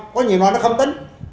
có nhiều loại nó không tính